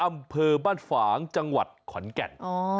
อำเภอบ้านฝางจังหวัดขอนแก่น